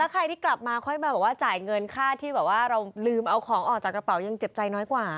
ใครที่กลับมาค่อยมาบอกว่าจ่ายเงินค่าที่แบบว่าเราลืมเอาของออกจากกระเป๋ายังเจ็บใจน้อยกว่า